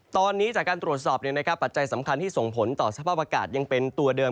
ตอนนี้จากการตรวจสอบปัจจัยสำคัญที่ส่งผลต่อสภาพอากาศยังเป็นตัวเดิม